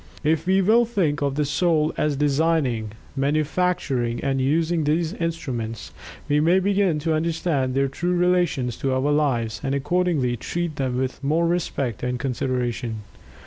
If we will think of the soul as designing, manufacturing and using these instruments, we may begin to understand their true relations to our lives, and, accordingly treat them with more respect and consideration.